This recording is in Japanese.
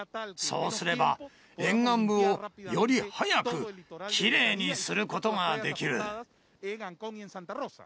そうすれば、沿岸部をより早く、きれいにすることができる。